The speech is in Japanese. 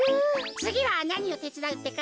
つぎはなにをてつだうってか？